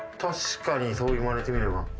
確かにそう言われてみれば。